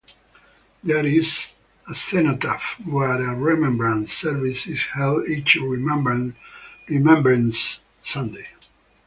There is a cenotaph where a remembrance service is held each Remembrance Sunday.